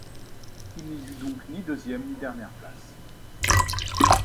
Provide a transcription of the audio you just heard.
Il n’y eut donc ni deuxième, ni dernière place.